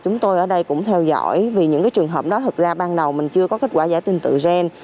chúng tôi cũng theo dõi vì những trường hợp đó thật ra ban đầu mình chưa có kết quả giải trình tự gen